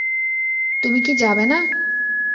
তুমি কি যাবে না?